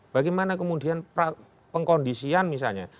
bagaimana kemudian pengkondisian misalnya